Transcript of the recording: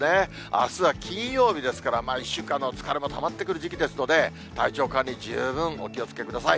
あすは金曜日ですから、１週間の疲れもたまってくるときですので、体調管理、十分お気をつけください。